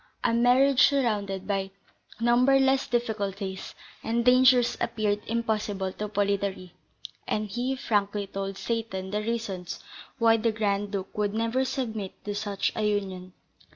A marriage surrounded by numberless difficulties and dangers appeared impossible to Polidori, and he frankly told Seyton the reasons why the Grand Duke would never submit to such a union.